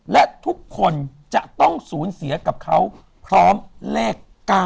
และทุกคนจะต้องสูญเสียกับเขาพร้อมเลข๙